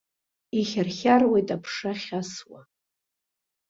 Ихьархьаруеит аԥша ахьасуа.